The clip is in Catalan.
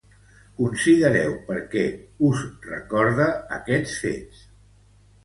Considereu per què us recorde aquests fets;